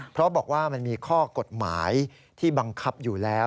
เพราะบอกว่ามันมีข้อกฎหมายที่บังคับอยู่แล้ว